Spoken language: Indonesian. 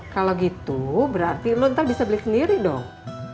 kalau gitu berarti lu ntar bisa beli sendiri dong